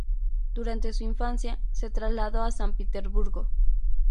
Durante su infancia, se trasladó a San Petersburgo.